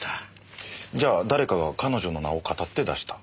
じゃあ誰かが彼女の名をかたって出した。